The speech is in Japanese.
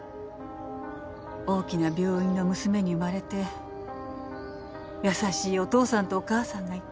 大きな病院の娘に生まれて優しいお父さんとお母さんがいて。